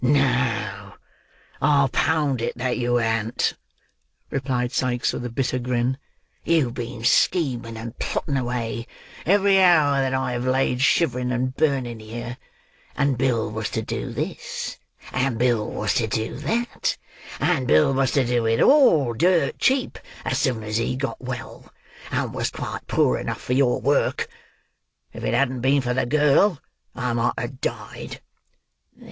"No! I'll pound it that you han't," replied Sikes, with a bitter grin. "You've been scheming and plotting away, every hour that I have laid shivering and burning here; and Bill was to do this; and Bill was to do that; and Bill was to do it all, dirt cheap, as soon as he got well: and was quite poor enough for your work. If it hadn't been for the girl, I might have died."